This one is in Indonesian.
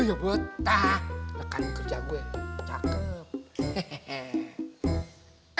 iya betah kan kerja gue cakep